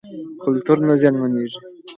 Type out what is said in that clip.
کلتور نه زیانمنېږي.